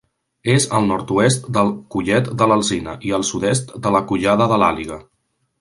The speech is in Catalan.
És al nord-oest del Collet de l'Alzina i al sud-est de la Collada de l'Àliga.